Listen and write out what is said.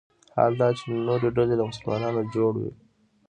حال دا چې نورې ډلې له مسلمانانو جوړ وي.